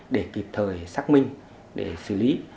để xác minh để xử lý